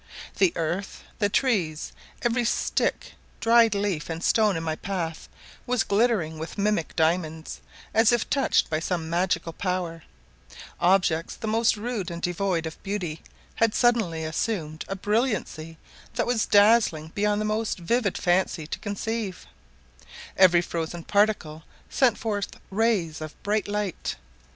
The earth, the trees, every stick, dried leaf, and stone in my path was glittering with mimic diamonds, as if touched by some magical power; objects the most rude and devoid of beauty had suddenly assumed a brilliancy that was dazzling beyond the most vivid fancy to conceive; every frozen particle sent forth rays of bright light.